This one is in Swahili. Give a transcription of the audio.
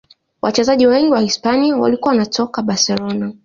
wachezaji wengi wa hisipania walikuwa wanatoka barcelona